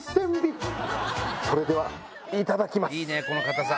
それではいただきます。